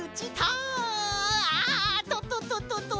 ああ！ととととと。